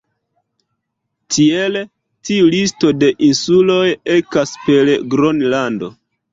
Tiele tiu listo de insuloj ekas per Gronlando.